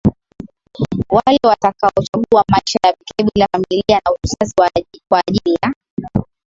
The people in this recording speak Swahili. wale watakaochagua maisha ya pekee bila familia na uzazi kwa ajili ya